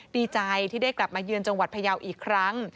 ดีใจที่ได้กลับมาเยือนจังหวัดพยาวอีกครั้ง